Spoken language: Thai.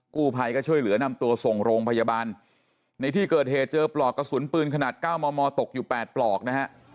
กู้ภัยก็ช่วยเหลือนำตัวส่งโรงพยาบาลในที่เกิดเหตุเจอปลอกกระสุนปืนขนาด๙มมตกอยู่๘ปลอกนะฮะ